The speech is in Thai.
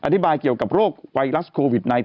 เกี่ยวกับโรคไวรัสโควิด๑๙